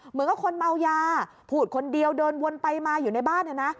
เหมือนกับคนเมายาพูดคนเดียวเดินวนไปมาอยู่ในบ้านเนี่ยนะ